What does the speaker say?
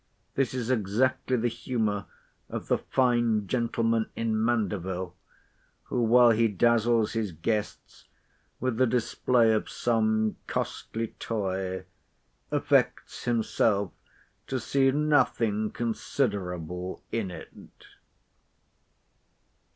This is exactly the humour of the fine gentleman in Mandeville, who, while he dazzles his guests with the display of some costly toy, affects himself to "see nothing considerable in it."